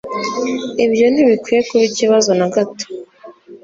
Ibyo ntibikwiye kuba ikibazo na gato